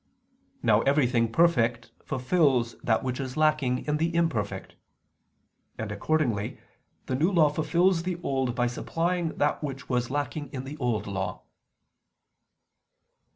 Now everything perfect fulfils that which is lacking in the imperfect. And accordingly the New Law fulfils the Old by supplying that which was lacking in the Old Law.